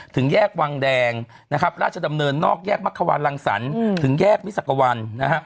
ถึงแยกวังแดงราชดำเนินนอกแยกมะเขวานรังสรรค์ถึงแยกวิสักวัล